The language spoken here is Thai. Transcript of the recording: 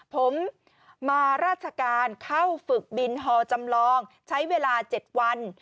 ผมมาราชการเข้าฝึกบินฮอจำลองใช้เวลา๗วัน